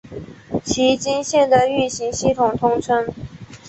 崎京线的运行系统通称。